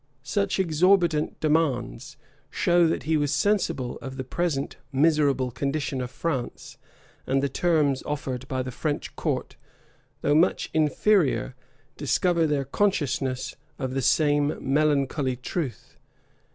[*] Such exorbitant demands show that he was sensible of the present miserable condition of France; and the terms offered by the French court, though much inferior, discover their consciousness of the same melancholy truth.